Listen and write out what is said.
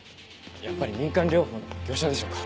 やっぱり民間療法の業者でしょうか？